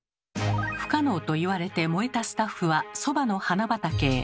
不可能と言われて燃えたスタッフはソバの花畑へ。